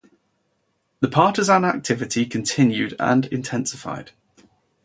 The partisan activity continued and intensified.